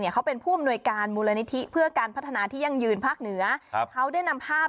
คืนภาคเหนือเขาได้นำภาพ